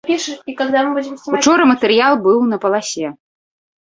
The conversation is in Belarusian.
Учора матэрыял быў на паласе.